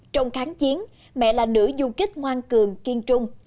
trong kháng chiến mẹ là nữ du kích ngoan cường kiên trung